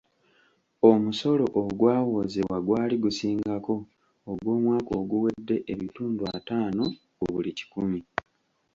Omusolo ogwawoozebwa gwali gusingako ogw'omwaka oguwedde ebitundu ataano ku buli kikumi.